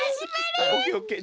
オッケーオッケー。